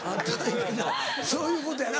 そういうことやな。